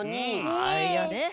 あいやね